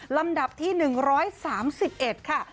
ลำดับที่๑๓๑ค่ะ